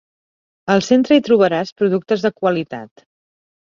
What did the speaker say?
Al centre hi trobaràs productes de qualitat.